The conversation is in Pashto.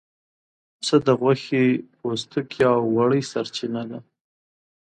پسه د غوښې، پوستکي او وړۍ سرچینه ده.